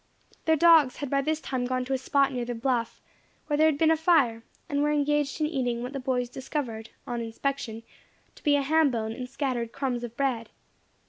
Their dogs had by this time gone to a spot near the bluff, where there had been a fire, and were engaged in eating what the boys discovered, on inspection, to be a ham bone and scattered crumbs of bread.